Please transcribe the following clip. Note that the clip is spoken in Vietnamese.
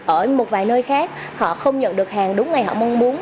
ở một vài nơi khác họ không nhận được hàng đúng ngày họ mong muốn